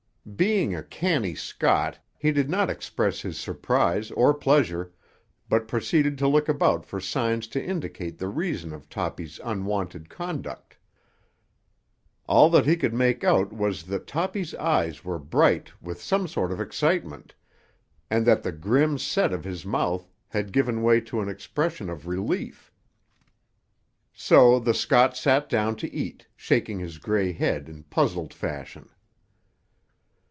Being a canny Scot, he did not express his surprise or pleasure, but proceeded to look about for signs to indicate the reason of Toppy's unwonted conduct. All that he could make out was that Toppy's eyes were bright with some sort of excitement, and that the grim set of his mouth had given way to an expression of relief. So the Scot sat down to eat, shaking his grey head in puzzled fashion.